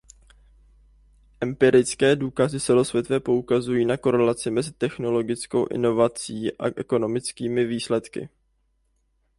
Empirické důkazy celosvětově poukazují na korelaci mezi technologickou inovaci a ekonomickými výsledky.